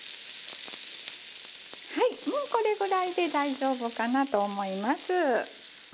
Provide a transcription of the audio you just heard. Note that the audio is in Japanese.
はいもうこれぐらいで大丈夫かなと思います。